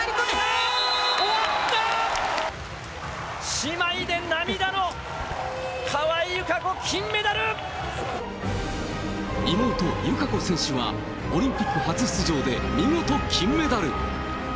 姉妹で涙の、川井友香子、妹、友香子選手は、オリンピック初出場で見事金メダル。